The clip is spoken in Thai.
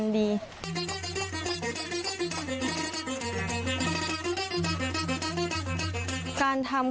กลับมาที่สุดท้าย